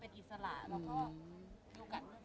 บางทีเค้าแค่อยากดึงเค้าต้องการอะไรจับเราไหล่ลูกหรือยังไง